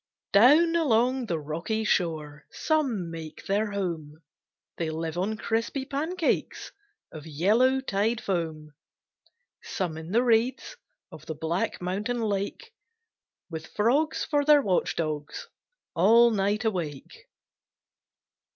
Down along the rocky shore Some make their home, They live on crispy pancakes Of yellow tide foam; Some in the reeds Of the black mountain lake, With frogs for their watch dogs, All night awake.